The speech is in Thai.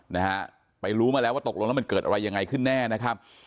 นะฮะไปรู้มาแล้วว่าตกลงแล้วมันเกิดอะไรยังไงขึ้นแน่นะครับ